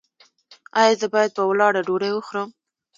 ایا زه باید په ولاړه ډوډۍ وخورم؟